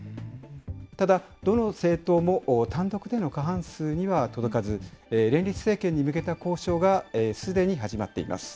ただ、どの政党も単独での過半数には届かず、連立政権に向けた交渉がすでに始まっています。